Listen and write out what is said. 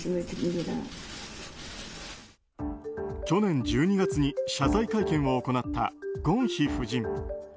去年１２月に謝罪会見を行ったゴンヒ夫人。